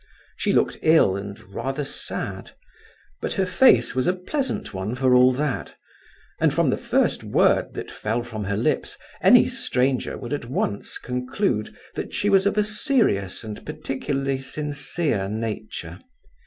She looked ill and rather sad; but her face was a pleasant one for all that; and from the first word that fell from her lips, any stranger would at once conclude that she was of a serious and particularly sincere nature.